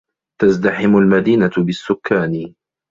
تَزْدَحِمُ الْمَدِينَةُ بِالسُّكَّانِ.